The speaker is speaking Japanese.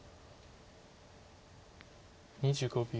２５秒。